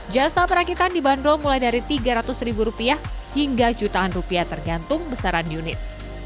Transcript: jasa perakitan dibanderol mulai dari tiga ratus ribu rupiah hingga jutaan rupiah tergantung besaran unit